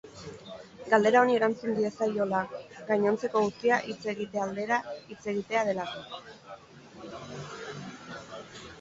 Galdera honi erantzun diezaiola, gainontzeko guztia hitz egite aldera hitz egitea delako.